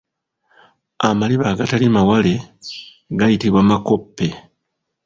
Amaliba agatali mawale gayitibwa Makope.